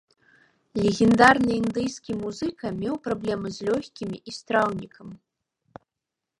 Легендарны індыйскі музыка меў праблемы з лёгкімі і страўнікам.